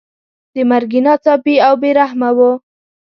د مرګي ناڅاپي او بې رحمه وو.